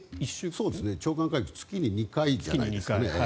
長官会議は月に２回じゃないですかね。